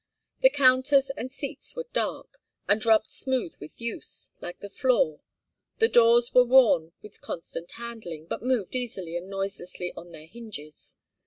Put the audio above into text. The counters and seats were dark, and rubbed smooth with use, like the floor; the doors were worn with constant handling, but moved easily and noiselessly on their hinges.